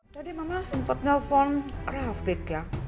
jadi mama sempet nelfon rafiq ya